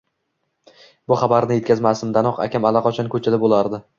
Bu xabarni etkazmasimdanoq akam allaqachon ko`chada bo`lardi